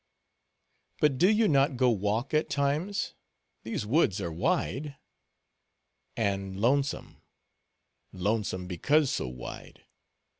"But, do you not go walk at times? These woods are wide." "And lonesome; lonesome, because so wide.